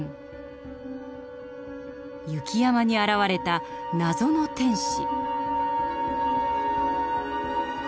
雪山に現れた謎の天使。